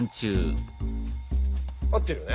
合ってるよね？